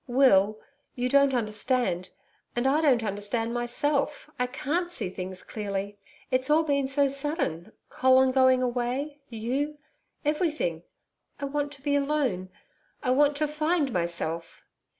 'Will, you don't understand. And I don't understand myself, I can't see things clearly. It's all been so sudden Colin going away you everything.... I want to be alone. I want to find myself.'